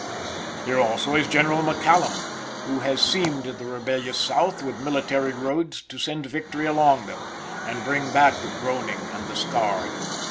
Here also is General McCallum, who has seamed the rebellious South with military roads to send victory along them, and bring back the groaning and the scarred.